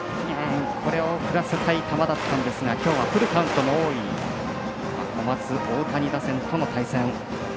振らせたい球だったんですがきょうはフルカウントも多い小松大谷打線との対戦。